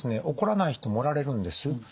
起こらない人もおられるんです。